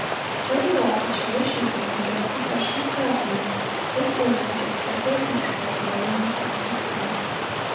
So do all who cherish evil under a profession of godliness hate those who disturb their peace by condemning their course of sin.